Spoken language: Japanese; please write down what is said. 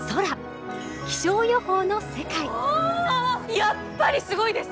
やっぱりすごいです！